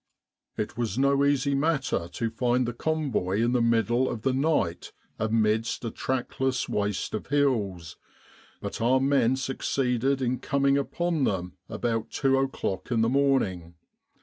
It was no easy matter to find the convoy in the middle of the night amidst a trackless waste of hills, but our men succeeded in coming upon them about two o'clock in the morning.